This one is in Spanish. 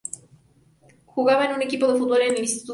Jugaba en un equipo de fútbol en el instituto.